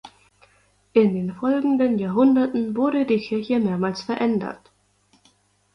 In den folgenden Jahrhunderten wurde die Kirche mehrmals verändert.